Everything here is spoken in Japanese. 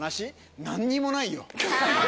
何にもないよ。